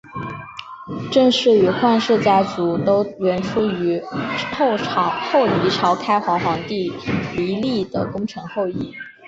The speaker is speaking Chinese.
郑氏与阮氏家族都源出于后黎朝开国皇帝黎利的功臣后裔。